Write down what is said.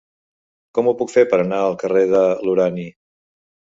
Com ho puc fer per anar al carrer de l'Urani?